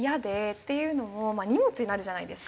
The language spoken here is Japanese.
っていうのも荷物になるじゃないですか。